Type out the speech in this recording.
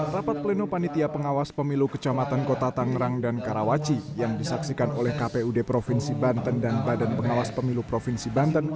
rapat pleno panitia pengawas pemilu kecamatan kota tangerang dan karawaci yang disaksikan oleh kpud provinsi banten dan badan pengawas pemilu provinsi banten